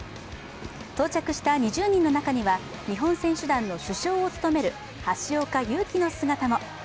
到着した２０人の中には日本選手団の主将を務める橋岡優輝の姿も。